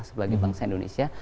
sebagai bangsa indonesia